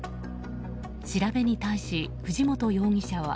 調べに対し藤本容疑者は。